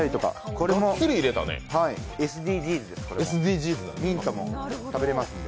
これもＳＤＧｓです、ミントも食べられますんで。